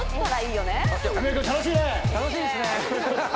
楽しいですね。